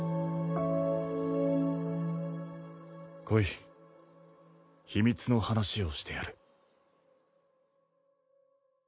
来い秘密の話をしてやる。